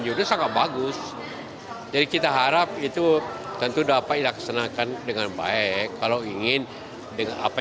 jokowi berkata cawe cawe dalam arti yang positif